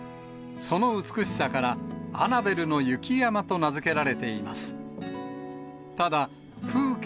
その美しさから、アナベルの雪山と名付けられています。